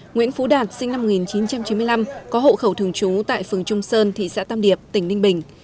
nguyễn phú đạt sinh năm một nghìn chín trăm chín mươi năm có hộ khẩu thường trú tại phường trung sơn thị xã tam điệp tỉnh ninh bình